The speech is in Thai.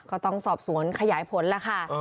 ก็ต้องสอบสวนขยายผลแล้วค่ะ